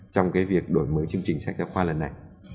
trong cái việc đổi mới chương trình sách giáo khoa lần này